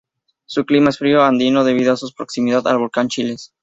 Su clima es frío andino debido su proximidad al volcán Chiles.